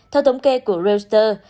theo thống kê của reuters